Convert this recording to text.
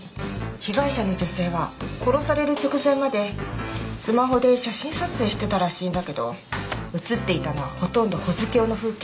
被害者の女性は殺される直前までスマホで写真撮影してたらしいんだけど写っていたのはほとんど保津峡の風景。